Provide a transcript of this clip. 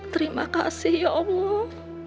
terima kasih ya allah